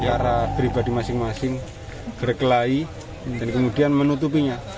secara pribadi masing masing berkelahi dan kemudian menutupinya